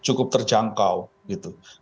cukup terjangkau gitu